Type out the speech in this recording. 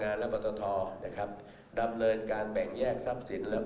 งานและมัตธทอ๋นะครับดำเลิจการแบ่งแยกทรัพย์สินและ